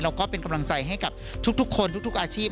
แล้วก็เป็นกำลังใจให้กับทุกคนทุกอาชีพ